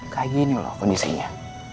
kayak gini loh kondisinya